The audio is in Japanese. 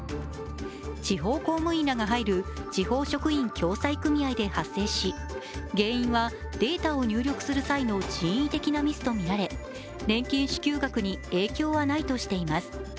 地方公務員らが入る地方職員共済組合で発生し原因はデータを入力する際の人為的ミスとみられ年金支給額に影響はないとしています。